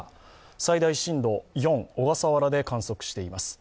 最大震度４、小笠原で観測しています。